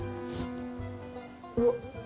うわっ。